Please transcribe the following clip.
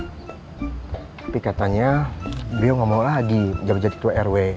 tapi katanya dia nggak mau lagi jadi ketua rw